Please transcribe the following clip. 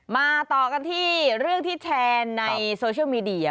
มาต่อกันที่เรื่องที่แชร์ในโซเชียลมีเดีย